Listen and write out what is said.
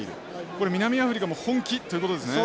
これ南アフリカも本気ということですね。